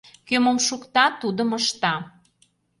Кӧ мом шукта, тудым ышта.